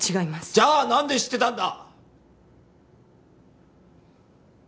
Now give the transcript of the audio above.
じゃあ何で知ってたんだ？